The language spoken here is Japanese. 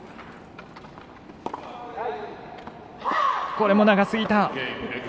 これも長すぎた。